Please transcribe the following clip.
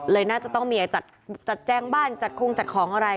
น่าจะต้องมีจัดแจ้งบ้านจัดคงจัดของอะไร